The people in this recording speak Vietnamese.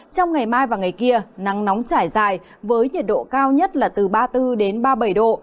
trong ngày mai và ngày kia nắng nóng trải dài với nhiệt độ cao nhất là từ ba mươi bốn ba mươi bảy độ